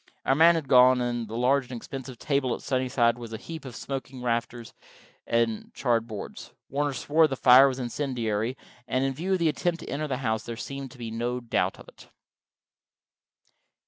Our man had gone, and the large and expensive stable at Sunnyside was a heap of smoking rafters and charred boards. Warner swore the fire was incendiary, and in view of the attempt to enter the house, there seemed to be no doubt of it.